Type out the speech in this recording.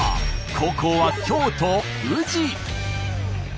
後攻は京都宇治。